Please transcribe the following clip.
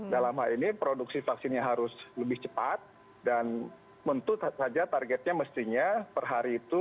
dalam hal ini produksi vaksinnya harus lebih cepat dan tentu saja targetnya mestinya per hari itu